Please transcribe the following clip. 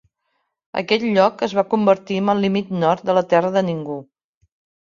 Aquest lloc es va convertir en el límit nord de la terra de ningú.